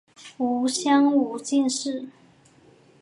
吴襄武进士。